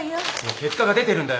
結果が出てるんだよ。